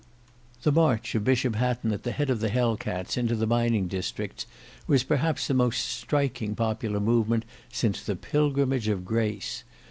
The march of Bishop Hatton at the head of the Hell cats into the mining districts was perhaps the most striking popular movement since the Pilgrimage of Grace.